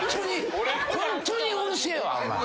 ホントにうるせえわお前。